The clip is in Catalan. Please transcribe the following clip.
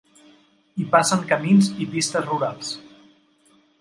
Hi passen camins i pistes rurals.